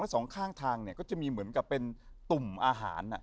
สองข้างทางเนี่ยก็จะมีเหมือนกับเป็นตุ่มอาหาร